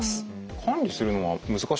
管理するのは難しいんですか？